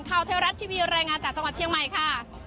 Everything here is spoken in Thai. เทวรัฐทีวีรายงานจากจังหวัดเชียงใหม่ค่ะ